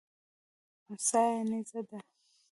امسا یې نیزه ده.